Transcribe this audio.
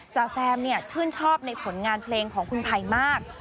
จ๋แซมชื่นชอบในผลงานเพลงของคุณภัยมาก